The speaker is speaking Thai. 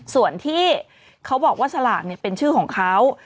ส่วนที่เขาบอกว่าสลากเป็นชื่อของเขา